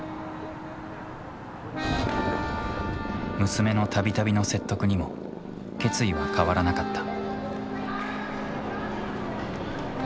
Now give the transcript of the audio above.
娘の度々の説得にも決意は変わらなかった。